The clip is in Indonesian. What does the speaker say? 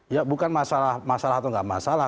ya bukan masalah masalah atau nggak masalah